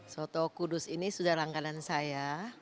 soto kudus ini sudah langganan saya